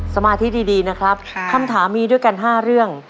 สมาธิดีนะครับคำถามมีด้วยกัน๕เรื่อง